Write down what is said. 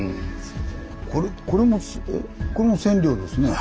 これもこれも千両ですね。